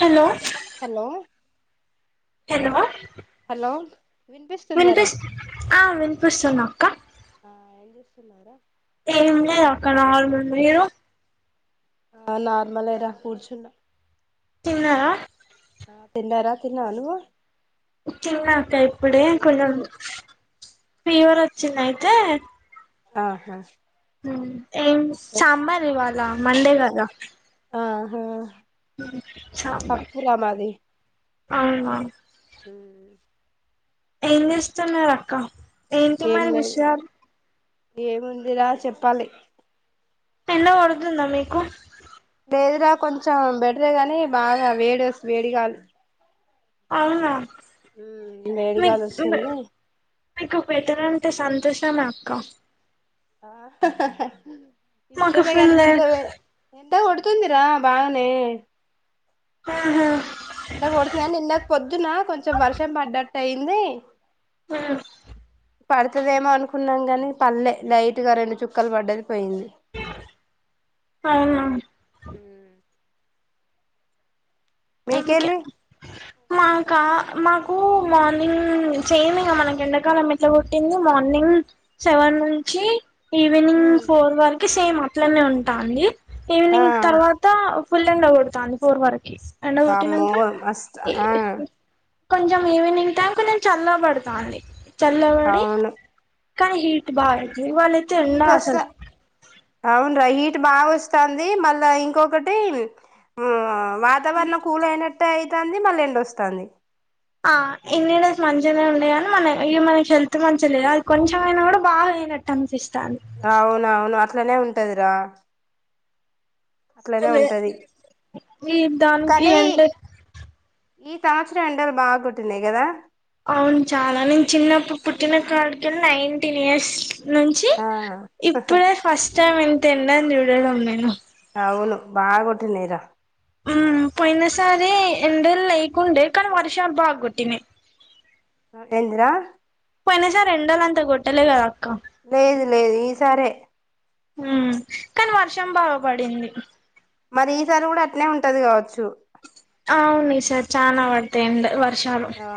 Hello! Hello hello! Hello వినిపిస్తుందారా వినిపిస్తుంది ఆ వినిపిస్తుంది అక్కా. హాలో! ఏం లేదక్కా నాలుగు మీరు? ఆ నార్మల్లే రా కూర్చున్నా. తిన్నారా? ఆ తిన్నార? తిన్నావా నువ్వు? తిన్నాక్కా ఇప్పుడే ఏం కొంచం. కూర ఫీవర్ వచ్చింది అయితే ఆహా ఏం సాంబార్ ఇవ్వాలా మండే గదా ఆహా సాంబారు పప్పురా మాది అవునా. ఉ [inaudible] ఏం చేస్తున్నారు అక్కా? ఏంటి ఏం మరి లేదు విషయాలు. ఏముందిరా చెప్పాలి. ఎండ కొడుతుందా మీకు లేదురా కొంచెం బెటరే గాని బాగా వేడి వేడి గాలి అవునా మ్ వేడి మీ గాలి వస్తుంది. మీకు బెటర్ అంటే సంతోషమే అక్కా మాకు ఇష్టమే ఫుల్ కానీ ఇంత వేడా ఎండ కొడుతుందిరా బాగానే మ్ హూ ఎండక్ పడతయన్ ఎండక్ పొద్దున కొంచమ్ వర్షం పడ్డట్టు అయింది ఆ పడతదేమో అనుకున్నాం గాని పల్లె లైట్ గా రొండు చుక్కల్ పడ్డది పెయింది ఔనా ఇంక్య మీకెళ్ళి మాకా మాక్ కు మానింగ్ చేమింగ్ మనకి ఎండాకాలం ఎట్లా కొట్టింది మానింగ్ సెవెనున్ కీ ఈవినింగ్ ఫోర్ వరకి సేమ్ అట్లనే ఉంటాంది ఆ ఈవినింగ్ తర్వాత ఫుల్ ఎండగోడతాంది ఫోర్ వరికి ఎండ వామ్మో కోట్టినంక మస్త్ ఈ ఆ కొంచెం ఈవినింగ్ టైం కొంచెం చల్లబడతాంది చల్లబడి అవును కానీ హీట్ బా అయితది ఇవాళ్ళైతే ఎండ హీట్ అసల్ బావోస్తంది మళ్ళా ఇంకొకటి ఊవా వాతావరణం కూల్ అయినట్టే అయ్ తంది మళ్ళీ ఎండోస్తంది ఆ ఎన్ని డేస్ మంచిగనే ఉండే కానీ మన ఇ మనకి హెల్త్ మంచిగా లేదు అది కొంచెం అయినా కూడా బాగయ్ ఇన ట్టన్ పిస్ ఔనౌనువు అట్లనే ఉంటదిరా అట్లనే అదే ఉంటది ఈ దానికి కనీ అంటే ఈ సంవత్సరం ఎండలు బా గోట్టిన్నాయ్ గదా ఔన్ చాలా లించ్ నేన్ చిన్నప్ పు పుట్టిన కాడ్ కేళ్ నైటీన్ ఇయర్స్ నుంచి ఆ ఇప్పుడే ఫస్ట్ టైం ఇంత ఎండన్ చూడాడమ్ నేను ఔను బా గోట్టినయ్ రా ఉమ్ పోయినసారి ఎండల్ లేకుండే కనీ వర్షాలు బా గొట్టినయ్ ఆ ఏందిరా అనేసారీ ఎండలంతా కొట్టలే కదా లేదు లేదు ఈ సారే ఉమ్ కనీ వర్షం బాగపడింది మరి ఈసారి కూడా అట్నే ఉంటది కావచ్చు ఔన్ ఈసార్ చానా వడతాయ్ ఎండ వర్ షాలు ఆ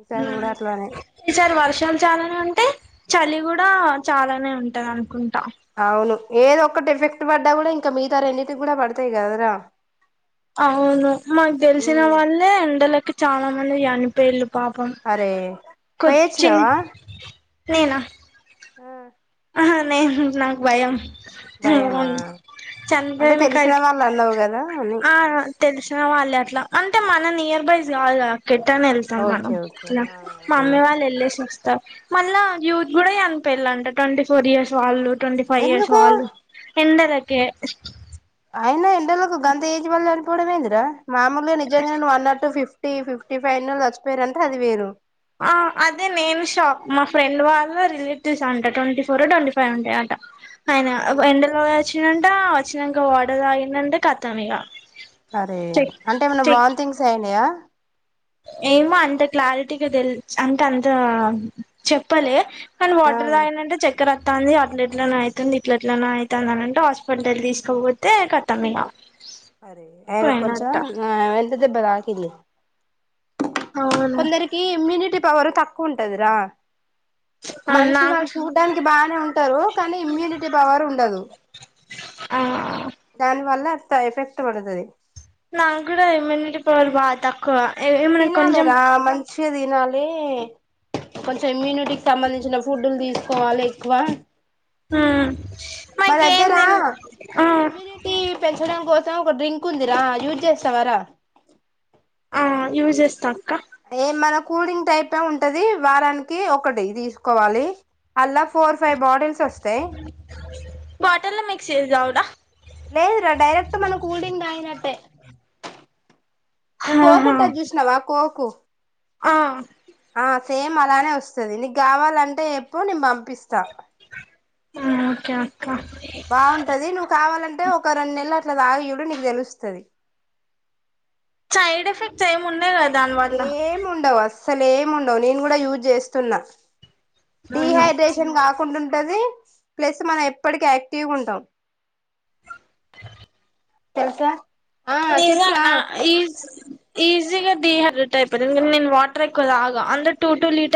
ఈసారి కూడా ఉమ్ అట్లానే ఈసార్ వర్షాల్ చాలనుంటే చలి కూడా చాలానే ఉంటదనుకుంటా ఔను ఏదోక్కటి ఎఫెక్ట్ పడ్డా కూడా ఇంకా మీగత రెండికి కుడా పడతయ్ కదరా ఔను మాక్ దేలిశిన ఉమ్ వాళ్ళే ఎండలకి చాలా మంది జనిపేళ్ళు పాపం అరే కొచ్చేన్ పోయొచ్చినావా నేనా ఉమ్ అహా నేను నాక్ భయం భయమా హెవన్ చన్ అంటే పెయ్ నా తెలిసిన కాడికి వాళ్ళు అన్నావు కదా అని అహ తెలిసిన వాళ్ళే అట్లా అంటే మన నియర్ బైస్ గాదుగా కేటా ఎల్తమ్ ఓకే మనం ఓకే ఇట్లా ఆ ఆ మమ్మీ వాళ్ ఏళ్ళేశోస్తర్ త మళ్ళా యూత్ కూడా యన్ పెళ్ళంట టోంటీ ఫోర్ ఇయర్స్ వాళ్ళు టోంటి ఫై ఇయర్స్ ఎందుకు వాళు ఎండలకే అయినా ఎండలకు గంత ఏజ్ వల్ జన్ పోవడమ్ ఏందిరా మామూలు నిజంగా నువ్ అన్నట్టు ఫిఫ్ టీ ఫిఫ్టీ ఫైనోల్ జచ్చిపోయ్ రంటే అది వేరు ఆ అదే నేన్ షాక్ మా ఫ్రెండ్ వాళ్ళ రిలేటివ్స్ అంట టోంటి ఫోరో టోంటి ఫైవ్ ఉంటయంట అయ్ నా ఆ ఎండలో ఓయోచ్చినంట ఒచ్చినంక వాటర్ ఓడ తాగిన్ అంట కతమిగా అరే అంటే ఏమన్నా వాన్ థింగ్స్ ఐనయ ఏమో అంత క్లారిటీగా తెలి అంట అంత చెప్పలే కానీ ఆ వాటర్ తాగిన్నంటే చెక్ ఇక్కడత్తాంది అట్ల ఎట్లనే అయితుంది ఇట్ల ఎట్లనొ అయితాంది అని అంటే హాస్పిటల్ తీసుకోపోతే ఖతం ఇగ అయనకు కొంచెం పోయినట్ట ఆ ఎంత దెబ్బ తాకింది అవును కొందరికి ఇమ్యూనిటీ పవర్ తక్కువ ఉంటదిరా మనిషి నాకు వాళ్ళు చూడటనికి బానే ఉంటారు కానీ ఇమ్యూనిటీ పవర్ ఉండదు ఆ దాని వల్లంత ఎఫెక్ట్ పడుతది నా కూడా ఇమ్మ్యూనిటి పవర్ బ తక్కువ ఏమైనా తినాలి కొంచెం రా మంచిగా తినాలి కొంచెం ఇమ్యూ టికి సంబంధించిన ఫుడ్లు తీసుకోవాలి ఎక్కువ హ్మ్ మా మాకేం దగ్గర తెల్ ఆ ఇమ్యూనిటీ పెంచడం కోస ఒక డ్రింక్ ఉందిరా యూజ్ చేస్తావరా మల్లి చేస్తాక్క ఏ మన కూలింగ్ టైపే ఉంటది వారానికి ఒకటి తీసుకోవాలి అల్లా ఫోర్ ఫైవ్ బాటిల్స్ వస్తాయి బాటల్ లో మిక్స్ చేసి తగుడ లేదురా డైరెక్ట్ మనం కూల్ డ్రింక్ తాగినట్టే ఆహా కోకుంటది చూసినావా కోకు ఆ ఆ సేమ్ అలానే వస్తది నీకు కావాలంటే చెప్పు నేను పంపిస్తా ఇంకా బాగుంటది నువ్వు కావాలంటే ఒక రెండు నెల అట్ల తాగి చూడు నీకు తెలుస్తది సైడ్ ఎఫెక్ట్స్ ఏముండేగ ఏముండవు అస్సలేముండవు నేను కూడా యూజ్ చేస్తున్నా అవును డిహైడ్రేషన్ కాకుండా ఉంటది ప్లస్ మనం ఎప్పటికి యాక్టివ్గా ఉంటాం తెలుసా ఆ చెప్పురా నిజనా ఈజ్ ఈజీగా డిహైడ్రేట్ అయిపోతుంది నేను వాటర్ ఎక్కువ తాగా అందరు టూ టూ లీటర్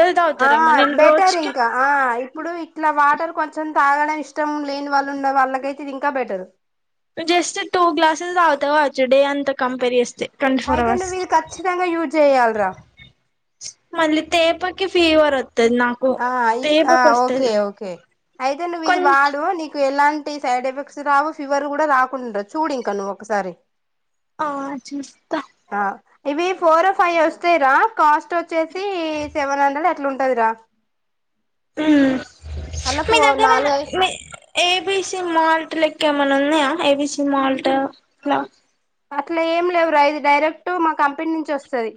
ఆ బెటర్ ఇంకా ఆ ఇప్పుడు ఇట్లా వాటర్ కొంచం తాగడం ఇష్టం లేని వా ఉన్న వాళ్ళకైతే ఇది ఇంకా బెటర్ చల్ తాగుతా కావచ్చు డే అంత కంపేర్ చేస్తే ట్వంటీ ఫోర్ అయితే అవర్స్ నువ్వు ఇది ఖచ్చితంగా యూజ్ చేయ్యాలరా మళ్ళీ తేపకి ఫీవర్ వత్తది నాకు ఆ ఆ తేపకి ఓకే వస్తది ఓకే అయితే నువ్వు ఇది కొంచ్ వాడు నీకు ఎలాం టి సైడ్ ఎఫెక్ట్స్ రావు ఫీవర్ కూడా రాకుండ చూడు ఇంకా నువ్వు ఒకసారి ఆ చూస్త ఆ ఇవి ఫోర్ ఫైవ్ వస్తాయిరా కాస్ట్ వచ్చేసి సెవెన్ హండ్రెడ్ అట్ల ఉంటదిరా త ఉ మల్ల ఫో నాలుగయి ఏబిసి మాల్ట్ లెక్క ఏమనా ఉన్నాయా ఏబిసి మాల్ట్ లా అట్లా ఏం లేవురా ఇది డైరెక్ట్ మా కంపెనీ నుంచి వస్తది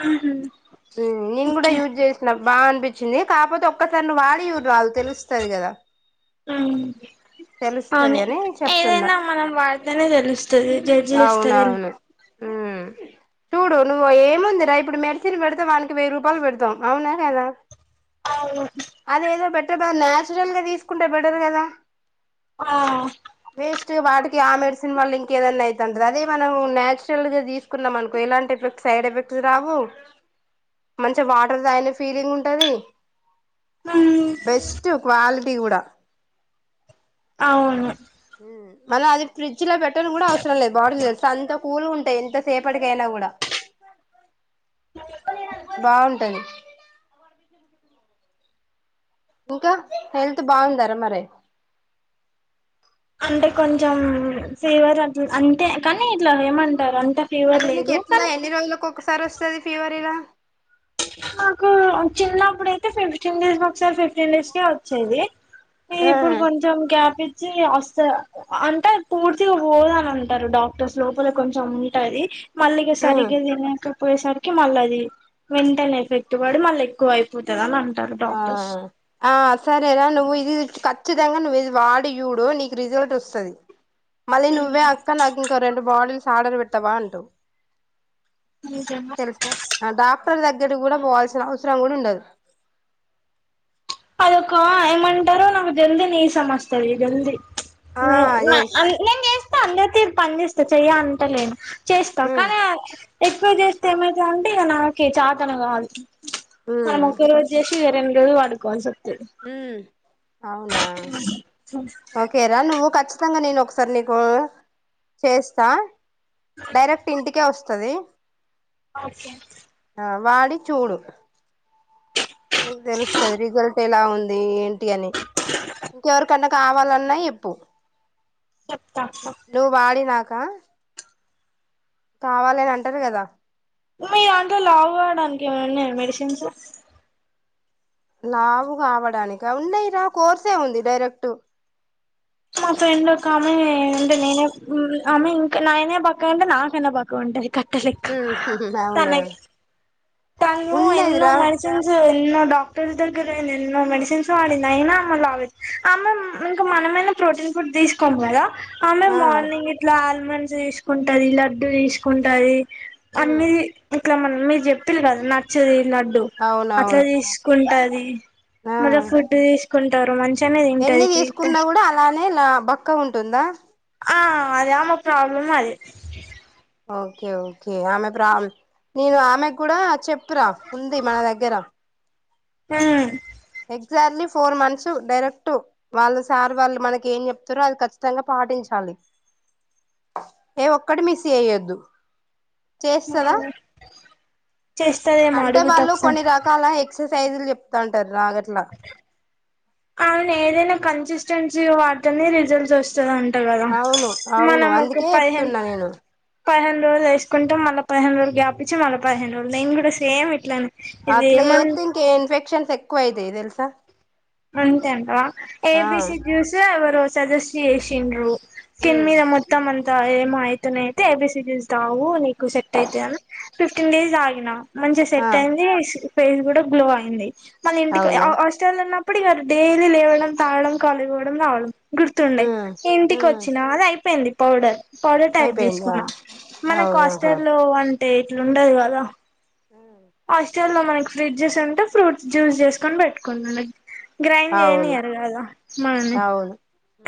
ఉహు నేను కూడా యూస్ చేసిన బాగా అనిపించింది కాకపోతే ఒక్కసారి నువ్వు వాడి చూడరాదు తెలుస్తది కదా ఉమ్ తెలుస్తది అవును అని చెప్తున్నా ఏదైనా మనం వాడితేనే తెలుస్తది జడ్జి చేస్త [inaudible] అవునవును ఉమ్ చూడు నువ్వు ఏముందిరా ఇప్పుడు మెడిసిన్ పెడితే వానికి వెయ్యి రూపాయలు పెడతాం అవునా కదా అవును అది ఏదో బెట్టే బదులు నాచురల్ గా తీసుకుంటే బెటర్ కదా ఆ వేస్ట్ వాటికి ఆ మెడిసిన్ వల్ల ఇంక ఏదన్నా అయితంది అదే మనం న్యాచురల్ గా తీసుకు నం అనుకో ఎలాంటి ఎఫెక్ట్స్ సైడ్ ఎఫెక్ట్ రావు మంచి వాటర్ తాగిన ఫీలింగ్ ఉంటది మ్మ్ బెస్ట్ క్వాలిటీ కూడా అవును మళ్ళ అది ఫ్రిడ్జ్ లో పెట్టన కూడా అవసరం లేదు బాటిల్ తెలుసా అంత కూల్ గా ఉంటాయి ఎంతసేపటి కయినా కూడా బాగుంటది ఇంకా హెల్త్ బాగుందారా మరి అంటే కొంచెం ఫీవర్ అ అంతే కానీ ఇట్లా ఏమంటారు అం అంటే నీకు ఎట్ల ఎన్ని రోజులకు ఒక్కసారి వస్తది ఫీవర్ ఇలా నాకు చిన్నప్పుడయితే ఫిఫ్టీన్ డేస్ ఒకసారి ఫి ఫిఫ్టీన్ డేస్ కే వచ్చేది ఇప్పుడు కొంచెం గ్యాప్ ఇ వస్త అంటే పూర్తిగాపోదుఅని అంటారు డాక్టర్స్ లోపల కొంచం ఉంటది మళ్ళీగా సరిగ్గా తినకపోయేసరికి మళ్ళీ అది వెంటనే ఎఫెక్ట్ పడి మళ్ళీ ఎక్కువ అయిపోతది అని అం ఆ ఆ సరేరా నువ్వు ఇది కచ్చతంగా నువ్వు ఇది వాడు డి చూడునీకు రిజల్ట్ వస్తది మళ్ళీ నువ్వే అక్క నాకు ఇంకో రెండు బాటిల్ ఆడర్ పెట్టవా అంటవు నిజంగా తెలుసా డా డాక్టర్ దగ్గర కూడా పోవాల్సిన అవసరం కూడా ఉండదు అదొక ఏమంటారో నాకు జల్దీ నీరసం వస్తది జల్ది ఆ నే ఎస్ నేను చేస్తా అందరి తీరు పనిచేస్తా చెయ అంటలేను చేస్తా మ్మ్ కానీ ఎక్కువ చేస్తే ఏమయిత అంటే ఇక నాకే చాతన కాదు మనము మ్మ్ ఓకే రోజు చేసి రెండు రోజులు పడుకోవాలి వస్తా ఉం అవునా ఓకేరా నువ్వు ఖచ్చ తంగా నేను ఒకసారి నీకు చేస్తా డైరెక్ట్ ఇంటికే వస్తా వస్తది ఓకే ఆ వాడి చూడు తెలుస్తది రిజల్ట్ ఎలా ఉంది ఏంటి అని ఇంకెవరికన్నా కావాలన్నా చెప్పు చెప్తా అక్క నువ్వు వాడి నాకా కావాలని అంటారు కదా మీ దాంట్లో లావు కావడానికి ఏమన్నా ఉన్నాయా మెడిసిన్స్ లావు కావడానిక ఉన్నాయిరా కోర్సే ఉంది డైరెక్ట్ మా ఫ్రెండ్ ఒక ఆమె అంటే నేనే ఆమె ఇంకా నాయనే బక్క అంటే నాకైనా బక్క గాఉంటుది కట్టే లేక్క ఉమ్ అవునా తనకి తను ఎన్నో ఉన్నదిరా మెడిసిన్స్ ఎన్నో డాక్టర్స్ దగ్గర అయింది ఎన్నో మెడిసిన్స్ వాడింది అయినా అమే అమే ఇంక మనమే మనమే ప్రోటీన్ ఫుడ్ తీసుకోము కదా ఆమె ఆ మార్నింగ్ గిట్లా ఆల్మండ్స్ తీసుకుంటది లడ్డు తీసుకుంటది అన్న ఉమ్ ఇట్లా మన్ మీరు చెప్పారు కదా నచ్చది లడ్డు అట్లా అవునవును తీసుకుంటది ఆ మళ్ళ ఫుడ్ తీసుకుంటారు మంచి ఎన్ని తీసుకున్నా కూడా అలానే లా బక్కగ ఉంటుందా ఆ అది ఆమే ప్రాబ్లం అది ఓకే ఓకే ఆమె ప్రా నేను ఆమె కూడా చెప్పిన ఉంది మ దగ్గర మ్ ఎగ్జాక్ట్లీ ఫోర్ మంత్స్ డైరెక్ట్ వాళ్ళ సార్ వాళ్ళు మనకి ఏం చెప్తారో అది ఖచ్చితంగా పాటించాలి ఏ ఒక్కటి మిస్ అయ్యొద్దు చేస్తదా ఉమ్ చేస్తదేమో అంటే అడుగుతా వాళ్ళు ఒకసారి కొన్ని రకాల ఎక్సర్సైజ్లు చెప్తా ఉంటారు రాగట్లా అవును ఏదైనా కన్సిస్టెన్సీ వాడుతేనే రిజల్ట్స్ వస్ స్తదంట కదా అవును అవును మనము ఒక అందుకే పైహేన్ చెప్తున్నా నేను పదిహను రోజులు వేసుకుంటే మళ్ళ పదిహేను రోజులు గ్యాపిచ్చి మళ్ళ పదిహేను రోజులు నిను కూడా సేమ్ ఇట్లనే అట్ల చేస్తే ఇంకా ఇన్ఫెక్షన్స్ ఎక్కువ అయితయి తేల్సా అంతే అంటావా ఏబిసి చుస్ ఎవరో సజెస్ట్ చేసిండ్రు స్కిన్ ఉమ్ మీద మొత్తం త ఏమొ అయితనైతే ఏబీసిస్ తావు నీకు సెట్ అయితయని ఫిఫ్టీన్ డేస్ ఆగిన మంచి ఆ సెట్ అయింది ఫేస్ కూడా గ్లో అయింది మళ్ళ ఇంటికి అవునా ఒ హాస్టల్ లో ఉన్న ప్పుడు ఇగ డెయిలీ లేవడం తాగుడం కాలేజీ పోవడం రావడం గుర్తుండే ఉమ్ ఉమ్ ఇంటికోచ్చినా అది అయిపోయింది పౌడర్ పౌడర్ టైప్ అయిపోయిందా తీసుకున్నా మనక్ అవునాహా హస్టాల్ లో అంటే ఇట్లా ఉండదు కదా హాస్టల్ లో మనకి ఫ్రిడ్జెస్ ఉంటే ఫ్రూట్ జ్యూస్ చేసుకొని పెట్టుకునుడే గ్రైండ్ అవును చేయనియరు కదా మనని అవును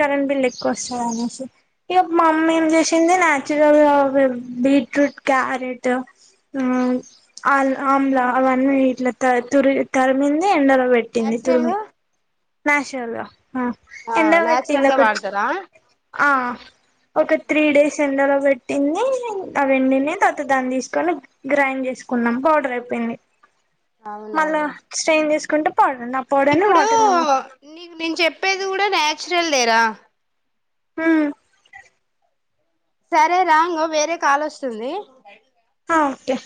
కరెంట్ బిల్ ఎక్కువ వస్తది అనేసి ఇగ మమ్మీ ఏం చేసింది నాచురల్ గ బీట్రూట్ క్యారెట్ ఆ అం ఆమ్లా అవన్ని వఇట్ల త్ తుర్ తరిమింది ఎండ పెట్టింది నాచురల్ తుర్మి గా నాషల్గా అ ఆ ఎండ పెట్టింది నాచురల్ గా ఒక వాడతారా ఆ ఒక త్రీ డేస్ ఎండలో పెట్టింది అవెండినయి తరువాత దాన్ని తీస్ కోని గ్రైండ్ చేసుకున్నాం పౌడర్ అయిపోయింది అవునా మళ్ళా స్ట్రైన్ చేసుకుంటే పౌడర్ అ పౌడర్ ను ఇప్పుడు వాటర్ నీకు నేను చెప్పేది కూడా నాచురల్ దేరా మ్ సరే రా ఇంగో వేరే కాలోస్తుంది ఓకే